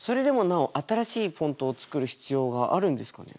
なお新しいフォントを作る必要があるんですかね？